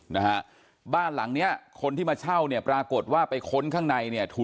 นะฮะบ้านหลังเนี้ยคนที่มาเช่าเนี่ยปรากฏว่าไปค้นข้างในเนี่ยถูก